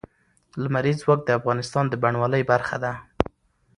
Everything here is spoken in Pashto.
لمریز ځواک د افغانستان د بڼوالۍ برخه ده.